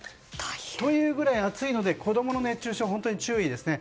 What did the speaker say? というくらい暑いので子供の熱中症には注意ですね。